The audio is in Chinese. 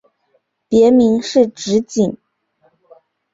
别名是直景。